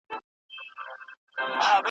¬ د بنو څښتنه په ارامه نه وي.